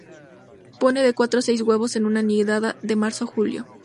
Pone de cuatro a seis huevos en una nidada, de marzo a julio.